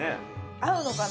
合うのかな？